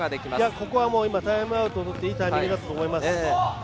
ここはタイムアウトをとっていいタイミングだったと思います。